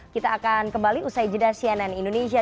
kita akan kembali usai jeda cnn indonesia